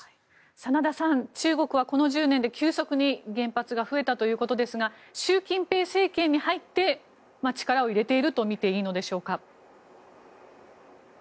真田さん、中国はこの１０年で急速に原発が増えたということですが習近平政権に入って力を入れているとみていいのでしょうか。